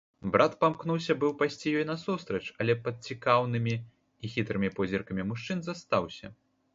Брат памкнуўся быў пайсці ёй насустрач, але пад цікаўнымі і хітрымі позіркамі мужчын застаўся.